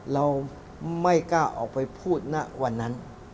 เราไม่กล้าออกไปพูดณวันนั้น